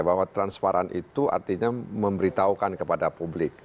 bahwa transparan itu artinya memberitahukan kepada publik